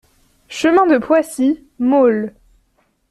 Chemin de Poissy, Maule